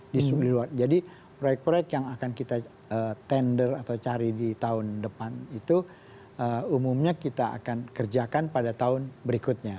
di luar jadi proyek proyek yang akan kita tender atau cari di tahun depan itu umumnya kita akan kerjakan pada tahun berikutnya